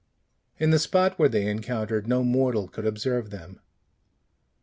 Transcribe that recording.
In the spot where they encountered, no mortal could observe them.